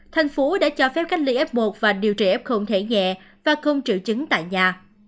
thành phố đã cho phép cách ly f một và điều trị f thể nhẹ và không triệu chứng tại nhà